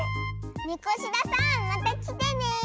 みこしださんまたきてね！